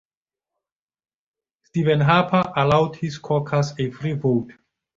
Stephen Harper allowed his caucus a free vote.